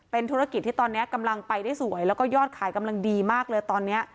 เป็นธุรกิจที่ตอนนี้กำลังไปได้สวยแล้วก็ยอดขายกำลังดีมากเลยตอนนี้